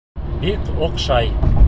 Бик оҡшай!..